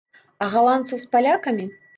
А галандцаў з палякамі?